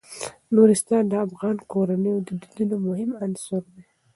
نورستان د افغان کورنیو د دودونو مهم عنصر دی.